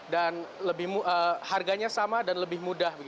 dan harganya sama dan lebih mudah